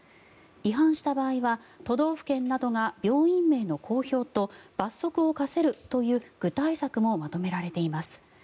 違反した場合は都道府県などが病院名の公表と罰則を科せるという具体策もまとめられています。